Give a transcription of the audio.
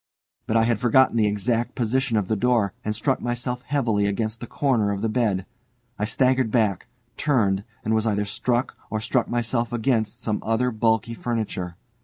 But I had forgotten the exact position of the door, and struck myself heavily against the corner of the bed. I staggered back, turned, and was either struck or struck myself against some other bulky furniture.